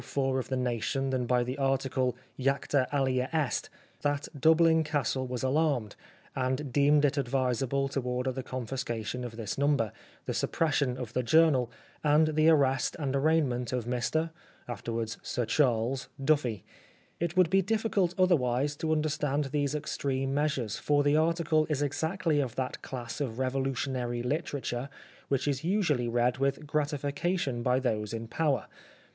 304 of The Nation than by the article " J acta Alea Est," that Dublin Castle was alarmed, and deemed it advisable to order the confiscation of this number, the suppression of the journal, and the arrest and arraignment of Mr (afterwards Sir Charles) Duffy. It would be difficult otherwise to understand these extreme measures, for the article is exactly of that class of revolutionary literature which is usually read with gratification by those in power.